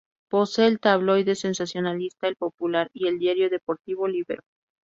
Posee el tabloide sensacionalista "El Popular" y el diario deportivo "Líbero".